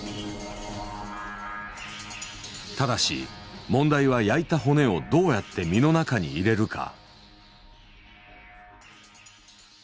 ただし問題は焼いた骨をどうやって身の中に入れるか。